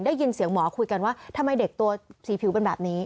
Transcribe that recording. ได้ยินเสียงหมอคุยกันว่าทำไมเด็กตัวสีผิวเป็นแบบนี้